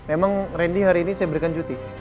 emang randy hari ini saya berikan cuti